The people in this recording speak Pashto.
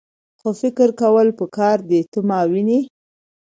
خو فکر کول پکار دي . ته ماوینې؟